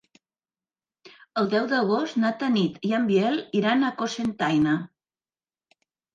El deu d'agost na Tanit i en Biel iran a Cocentaina.